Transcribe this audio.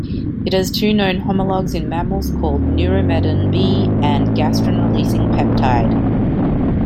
It has two known homologs in mammals called neuromedin B and gastrin-releasing peptide.